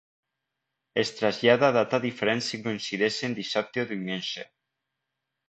Es trasllada a data diferent si coincideix en dissabte o diumenge.